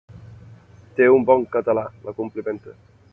Té un bon català —la complimenta—.